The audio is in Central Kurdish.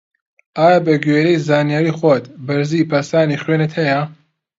ئایا بە گوێرەی زانیاری خۆت بەرزی پەستانی خوێنت هەیە؟